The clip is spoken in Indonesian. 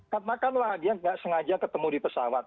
katakanlah dia tidak sengaja ketemu di pesawat